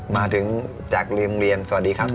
มาถึงจากโรงเรียนสวัสดีครับ